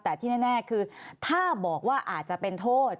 แต่ที่แน่คือถ้าบอกว่าอาจจะเป็นโทษ